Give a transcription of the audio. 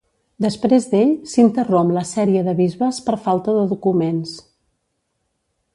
Després d'ell s'interromp la sèrie de bisbes per falta de documents.